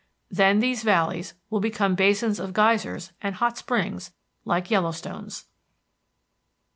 Then these valleys will become basins of geysers and hot springs like Yellowstone's.